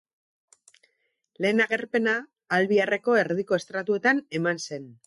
Lehen agerpena Albiarreko erdiko estratuetan eman zen.